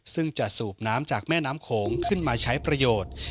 ซึ่งจะสูบน้ำจากแม่น้ำโขงขึ้นมาใช้ประโยชน์